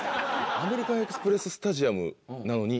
アメリカンエキスプレススタジアムなのに。